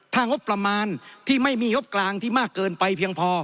ถ้างบประมาณที่ไม่มีงบกลางที่มากเกินไปเพียงพอ